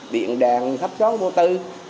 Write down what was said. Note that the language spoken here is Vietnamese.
điện đàn thấp sóng vô tư